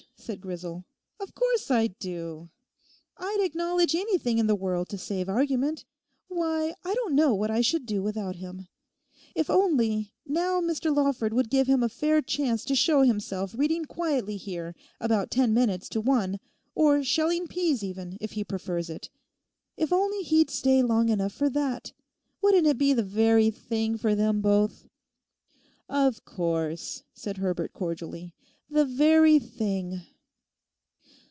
said Grisel; 'of course I do. I'd acknowledge anything in the world to save argument. Why, I don't know what I should do without him. If only, now Mr Lawford would give him a fair chance to show himself reading quietly here about ten minutes to one, or shelling peas even, if he prefers it. If only he'd stay long enough for that. Wouldn't it be the very thing for them both!' 'Of course,' said Herbert cordially, 'the very thing.